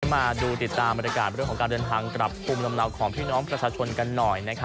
มาดูติดตามบรรยากาศเรื่องของการเดินทางกลับภูมิลำเนาของพี่น้องประชาชนกันหน่อย